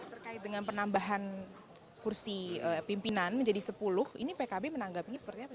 terkait dengan penambahan kursi pimpinan menjadi sepuluh ini pkb menanggapinya seperti apa